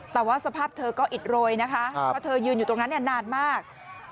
แต่ว่าสภาพเธอก็อิดโรยนะคะเพราะเธอยืนอยู่ตรงนั้นนานมาก